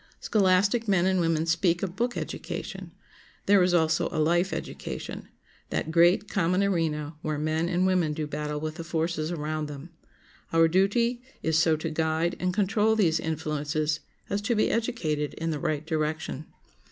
Scholastic men and women speak of book education; there is also a life education—that great, common arena where men and women do battle with the forces around them. Our duty is so to guide and control these influences as to be educated in the right direction.